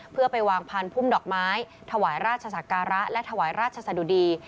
เพื่อไปวางพันธุมดอกไม้ถวายราชศักระและถวายราชสะดุดี